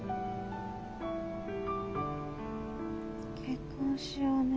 結婚しようね。